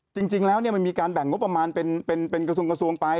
จริงแล้วมันมีการแบ่งงบประมาณเป็นกระทรวงกระทรวงไป